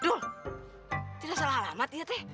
duh tidak salah alamat ya teh